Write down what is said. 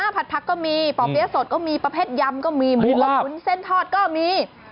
ผัดผักก็มีป่อเปี๊ยะสดก็มีประเภทยำก็มีหมูอบวุ้นเส้นทอดก็มี